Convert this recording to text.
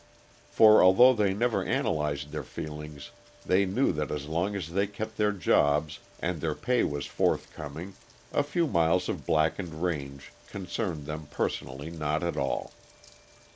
For, although they never analyzed their feelings, they knew that as long as they kept their jobs and their pay was forthcoming, a few miles of blackened range concerned them personally not at all.